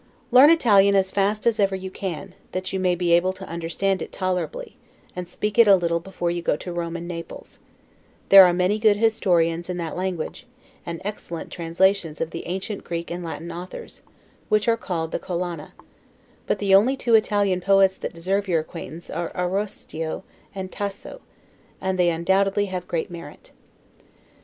Learn Italian as fast as ever you can, that you may be able to understand it tolerably, and speak it a little before you go to Rome and Naples: There are many good historians in that language, and excellent translations of the ancient Greek and Latin authors; which are called the Collana; but the only two Italian poets that deserve your acquaintance are Ariosto and Tasso; and they undoubtedly have great merit.